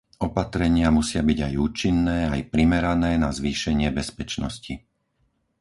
Opatrenia musia byť aj účinné aj primerané na zvýšenie bezpečnosti.